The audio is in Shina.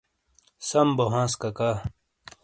سَم بوہانس کاکا۔